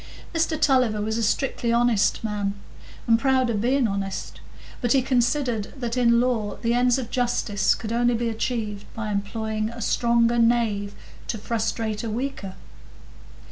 Mr Tulliver was a strictly honest man, and proud of being honest, but he considered that in law the ends of justice could only be achieved by employing a stronger knave to frustrate a weaker.